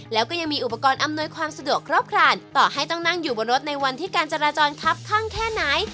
แล้วก็ยังมีอุปกรณ์อำนวยความสะดวกครบครันต่อให้ต้องนั่งอยู่บนรถในวันที่การจราจรคับข้างแค่ไหน